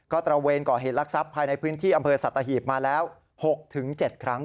ก็ตระเวนก่อเหตุลักษัพภายในพื้นที่อำเภอสัตหีบมาแล้ว๖๗ครั้ง